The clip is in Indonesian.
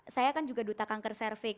saya kan juga duta kanker cervix